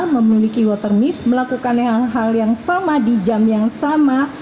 memiliki water miss melakukan hal hal yang sama di jam yang sama